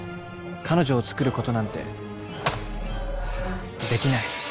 彼女を作ることなんてできない。